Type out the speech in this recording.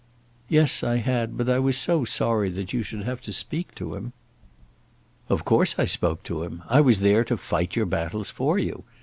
"Yes, I had. But I was so sorry that you should have to speak to him." "Of course I spoke to him. I was there to fight your battles for you.